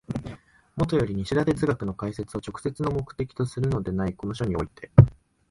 もとより西田哲学の解説を直接の目的とするのでないこの書において、